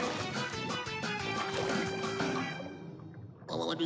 あれ？